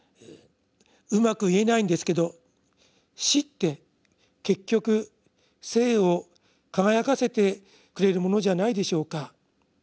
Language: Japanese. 「うまく言えないんですけど『死』って結局『生』を輝かせてくれるものじゃないでしょうか。